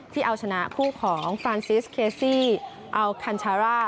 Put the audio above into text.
ที่เอาชนะคู่ของฟานซิสเคซี่อัลคัญชาร่า